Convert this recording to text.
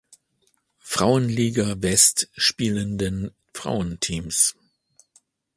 Frauenliga West spielenden Frauenteams.